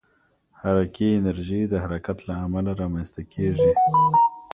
حرکي انرژي د حرکت له امله رامنځته کېږي.